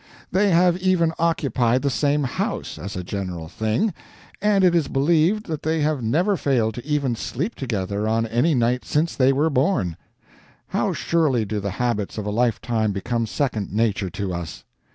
They have even occupied the same house, as a general thing, and it is believed that they have never failed to even sleep together on any night since they were born. How surely do the habits of a lifetime become second nature to us!